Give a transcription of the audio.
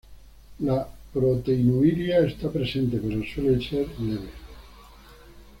La proteinuria esta presente pero suele ser leve.